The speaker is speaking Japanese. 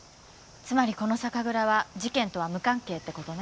つまりこの酒蔵は事件とは無関係って事ね。